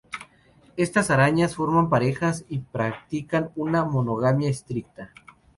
Estas arañas forman parejas y practican una monogamia estricta.